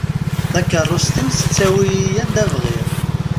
Takerrust-iw tettawi-iyi anda bɣiɣ;